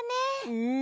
うん。